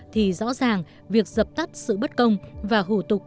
thì rõ ràng việc dập tắt sự bất công và hủ tục